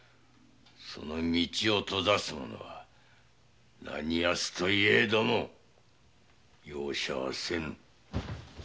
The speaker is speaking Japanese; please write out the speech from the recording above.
その道を閉ざす者は何ヤツといえども容赦はせぬ！